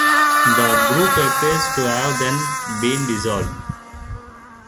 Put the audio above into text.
The group appears to have then been dissolved.